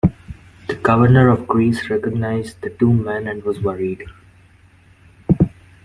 The Governor of Greece recognised the two men and was worried.